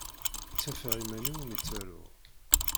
Ttafeɣ iman-iw mi ttaruɣ.